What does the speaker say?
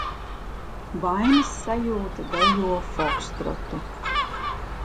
Vainas sajūta dejo fokstrotu...